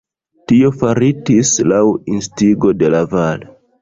Tio faritis laŭ instigo de Laval.